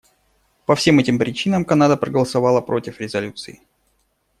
По всем этим причинам Канада проголосовала против резолюции.